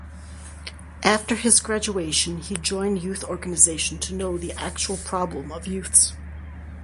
After his graduation he join Youth Organisation to know the actual problem of youths.